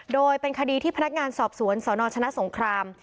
โดยเป็นคดีที่พนักงานสอบสวนสนชนะสงคราม